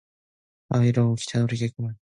왜 이리우, 기차 놓치겠구먼.